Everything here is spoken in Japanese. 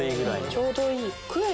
ちょうどいい。